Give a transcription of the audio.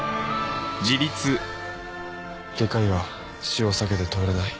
外科医は死を避けて通れない。